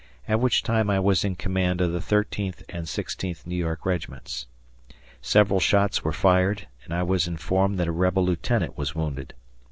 at which time I was in command of the 13th and 16th New York regiments. Several shots were fired, and I was informed that a rebel lieutenant was wounded.